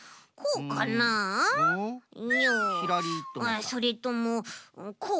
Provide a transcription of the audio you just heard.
あっそれともこう？